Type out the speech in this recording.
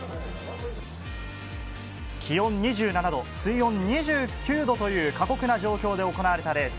気温２７度、水温２９度という過酷な状況で行われたレース。